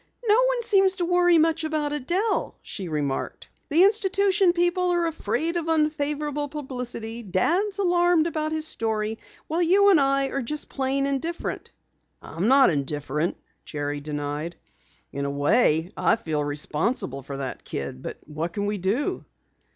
"No one seems to worry much about Adelle," she remarked. "The institution people are afraid of unfavorable publicity, Dad's alarmed about his story, while you and I are just plain indifferent." "I'm not indifferent," Jerry denied. "In a way I feel responsible for that kid. But what can we do?"